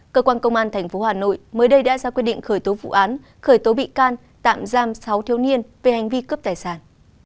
cơ quan công an tp hà nội mới đây đã ra quyết định khởi tố vụ án khởi tố bị can tạm giam sáu thiếu niên về hành vi cướp tài sản